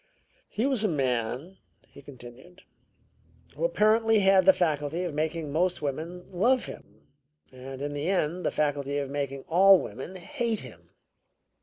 "He was a man," he continued, "who apparently had the faculty of making most women love him and, in the end, the faculty of making all women hate him.